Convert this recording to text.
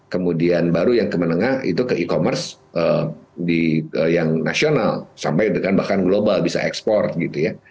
kemudian baru yang ke menengah itu ke e commerce yang nasional sampai dengan bahkan global bisa ekspor gitu ya